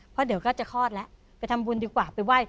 เพราะเดี๋ยวก็จะคลอดแล้วไปทำบุญดีกว่าไปไหว้